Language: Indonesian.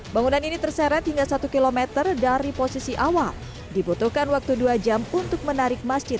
bangunan ini terseret hingga satu km dari posisi awal dibutuhkan waktu dua jam untuk menarik masjid